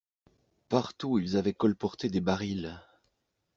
Partout ils avaient colporté des barils.